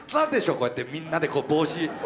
こうやってみんなでこう帽子。